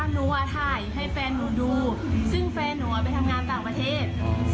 หนูถ่ายให้แฟนหนูดูซึ่งแฟนหนูไปทำงานต่างประเทศ